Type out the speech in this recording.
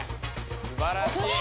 すばらしい！